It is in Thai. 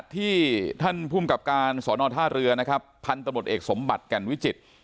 ที่ท่านภูมิกับการสอนอท่าเรือนะครับพันธบทเอกสมบัติแก่นวิจิตร